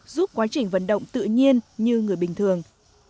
giúp quá trình vận động tự nhiên như người bình thường